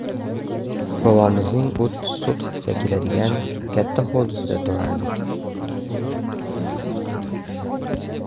Bobomning o‘ttiz sotixcha keladigan katta hovlisida turardik.